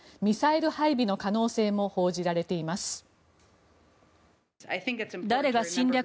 ミサイル配備の可能性も報じられています。